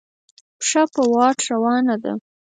پښه په واټ روانه ده.